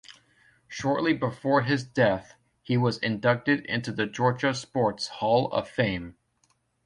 Shortly before his death, he was inducted into the Georgia Sports Hall of fame.